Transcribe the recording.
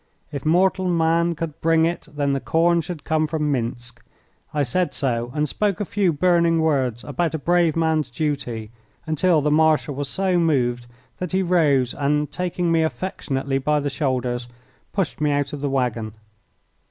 If mortal men could bring it, then the corn should come from Minsk. I said so, and spoke a few burning words about a brave man's duty until the Marshal was so moved that he rose and, taking me affectionately by the shoulders, pushed me out of the waggon.